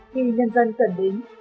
khi nhân dân cần đến